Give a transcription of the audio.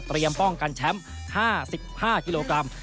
เตรียมป้องกันแชมป์๕๕ฮิโลกรัม